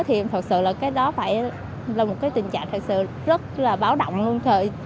thì thật sự là cái đó phải là một cái tình trạng thật sự rất là báo động luôn thời